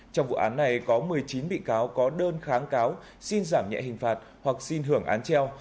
trong vụ án này có một mươi chín bị cáo có đơn kháng cáo xin giảm nhẹ hình phạt hoặc xin hưởng án treo